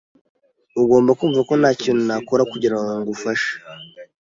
Ugomba kumva ko ntakintu nakora kugirango ngufashe.